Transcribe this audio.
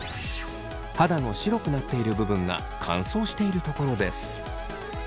肌の白くなっている部分が乾燥している所です。